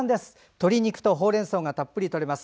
鶏肉とほうれんそうがたっぷりとれます。